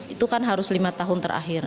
itu kan harus lima tahun terakhir